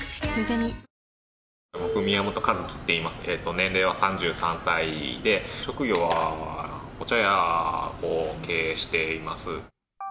年齢は３３歳で、職業はお茶屋を経営しています。